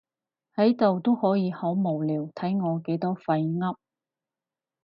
喺度都可以好無聊，睇我幾多廢噏